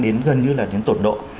đến gần như là đến tột độ